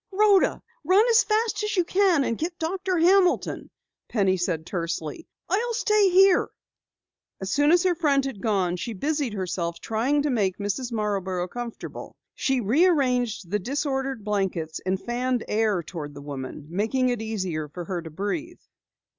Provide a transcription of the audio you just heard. "Rhoda, run as fast as you can and get Doctor Hamilton," Penny said tersely. "I'll stay here." As soon as her friend had gone, she busied herself trying to make Mrs. Marborough comfortable. She rearranged the disordered blankets, and fanned air toward the woman, making it easier for her to breathe.